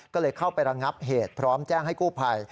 ก็เลยเข้าไประงับเหตุพร้อมแจ้งให้กู้ภัย